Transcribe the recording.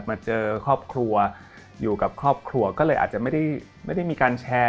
มาเจอครอบครัวอยู่กับครอบครัวก็เลยอาจจะไม่ได้มีการแชร์